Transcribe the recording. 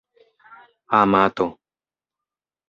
amato